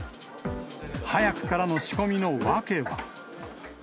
早くからの仕込みの訳は。